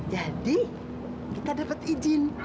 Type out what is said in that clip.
jadi kita dapet izin